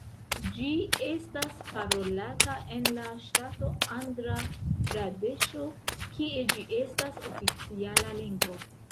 Ĝi estas parolata en la ŝtato Andra-Pradeŝo kie ĝi estas oficiala lingvo.